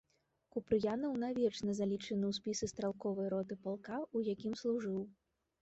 Купрыянаў навечна залічаны ў спісы стралковай роты палка, у якім служыў.